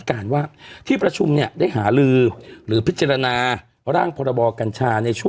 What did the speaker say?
อืมอืมอืมอืมอืมอืมอืมอืมอืม